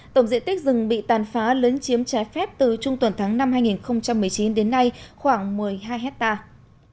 tổng diện tích rừng bị tàn phá lấn chiếm trái phép từ trung tuần tháng năm hai nghìn một mươi chín đến nay khoảng một mươi hai hectare